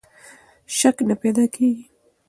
شک نه پیدا کېږي.